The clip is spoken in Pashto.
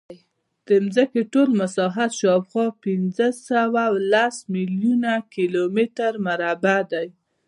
د ځمکې ټول مساحت شاوخوا پینځهسوهلس میلیونه کیلومتره مربع دی.